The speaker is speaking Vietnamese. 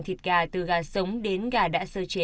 thịt gà từ gà sống đến gà đã sơ chế